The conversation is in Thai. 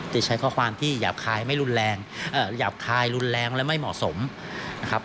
ใช้ข้อความที่หยาบคายไม่รุนแรงหยาบคายรุนแรงและไม่เหมาะสมนะครับ